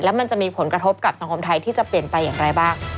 มันจะมีผลกระทบกับสังคมไทยที่จะเปลี่ยนไปอย่างไรบ้าง